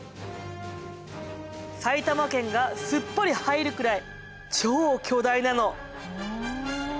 埼玉県がすっぽり入るくらい超巨大なの。